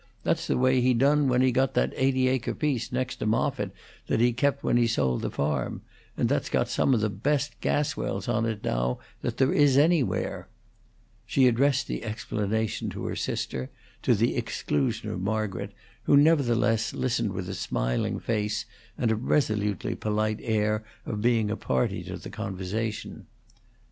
"That's the way he done when he got that eighty acre piece next to Moffitt that he kept when he sold the farm, and that's got some of the best gas wells on it now that there is anywhere." She addressed the explanation to her sister, to the exclusion of Margaret, who, nevertheless, listened with a smiling face and a resolutely polite air of being a party to the conversation.